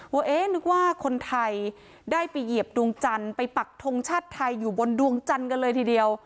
ว่าเอ๊ะนึกว่าคนไทยได้ไปเหยียบดวงจันทร์ไปปักทงชาติไทยอยู่บนดวงจันทร์กันเลยทีเดียว